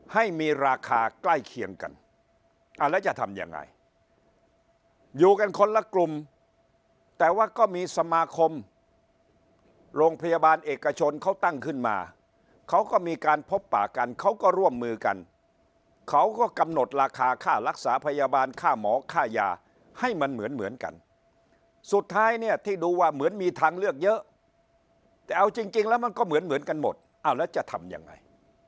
ให้มีราคาใกล้เคียงกันแล้วจะทำยังไงอยู่กันคนละกลุ่มแต่ว่าก็มีสมาคมโรงพยาบาลเอกชนเขาตั้งขึ้นมาเขาก็มีการพบปากกันเขาก็ร่วมมือกันเขาก็กำหนดราคาค่ารักษาพยาบาลค่าหมอค่ายาให้มันเหมือนเหมือนกันสุดท้ายเนี่ยที่ดูว่าเหมือนมีทางเลือกเยอะแต่เอาจริงแล้วมันก็เหมือนเหมือนกันหมดเอาแล้วจะทำยังไง